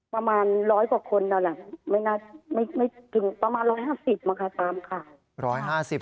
ประมาณร้อยกว่าคนไม่ถึงประมาณ๑๕๐มาตามข่าว